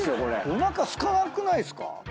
おなかすかなくないっすか？